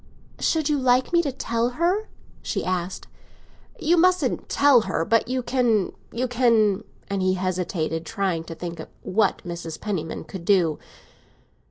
"Should you like me to tell her?" she asked. "You mustn't tell her, but you can—you can—" And he hesitated, trying to think what Mrs. Penniman could do.